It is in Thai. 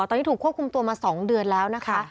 ตอนนี้ถูกควบคุมตัวมา๒เดือนแล้วนะคะ